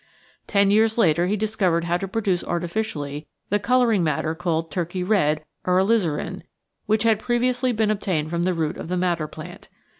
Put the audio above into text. Ten years later, he discovered how to produce artificially the colouring mat ter called "Turkey Red" or alizarin, which had previously been obtained from the root of the madder plant.